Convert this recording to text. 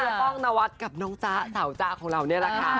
ป้องนวัดกับน้องจ๊ะสาวจ๊ะของเรานี่แหละค่ะ